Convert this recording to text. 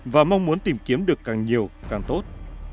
và mong muốn tìm kiếm được càng nhiều càng tốt